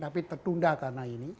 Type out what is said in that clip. tapi terdunda karena ini